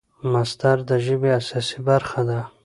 مصدر د ژبي اساسي برخه ده.